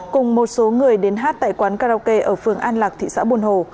cùng một số người đến hát tại quán karaoke ở phường an lạc thị xã buôn hồ